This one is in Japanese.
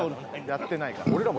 やってないから。